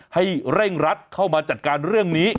ให้เร่งรัดเข้ามาจัดการเรื่องนี้